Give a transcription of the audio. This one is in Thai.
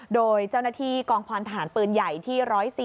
โดยเจ้าหน้าที่กองพลทหารปืนใหญ่ที่๑๐๔